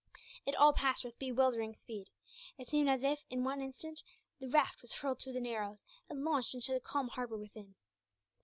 It all passed with bewildering speed. It seemed as if, in one instant, the raft was hurled through the narrows, and launched into the calm harbour within.